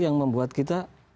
yang membuat kita